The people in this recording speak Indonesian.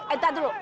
eh tahan dulu